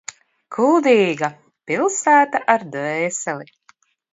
Kuldīga- pilsēta ar dvēseli.